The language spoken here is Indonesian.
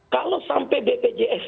kalau sampai bpjs